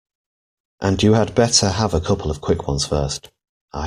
And you had better have a couple of quick ones first.